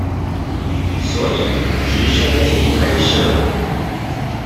所以直升機拍攝